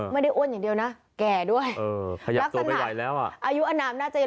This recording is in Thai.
ไม่ได้อ้วนอย่างเดียวนะแก่ด้วยอ่ะยุมนามน่าจะอยู่แล้ว